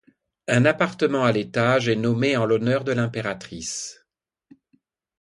Un appartement à l'étage est nommé en l'honneur de l'impératrice.